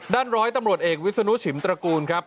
ร้อยตำรวจเอกวิศนุชิมตระกูลครับ